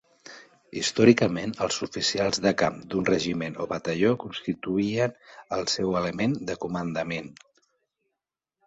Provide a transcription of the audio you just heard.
Històricament, els oficials de camp d'un regiment o batalló constituïen el seu element de comandament.